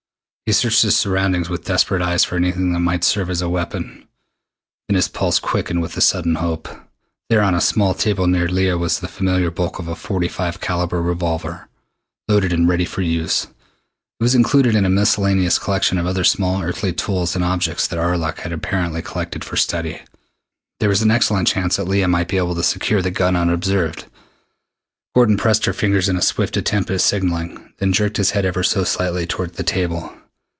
He searched his surroundings with desperate eyes for anything that might serve as a weapon. Then his pulse quickened with sudden hope. There on a small table near Leah was the familiar bulk of a .45 calibre revolver, loaded and ready for use. It was included in a miscellaneous collection of other small earthly tools and objects that Arlok had apparently collected for study. There was an excellent chance that Leah might be able to secure the gun unobserved. Gordon pressed her fingers in a swift attempt at signalling, then jerked his head ever so slightly toward the table.